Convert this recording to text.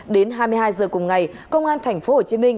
đến hai mươi hai giờ cùng ngày công an tp hcm